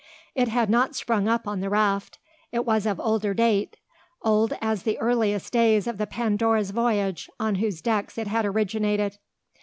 It had not sprung up on the raft. It was of older date old as the earliest days of the Pandora's voyage, on whose decks it had originated.